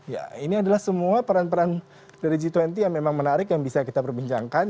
ya ini adalah semua peran peran dari g dua puluh yang memang menarik yang bisa kita perbincangkan